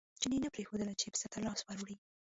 چیني نه پرېښودل چې پسه ته لاس ور وړي.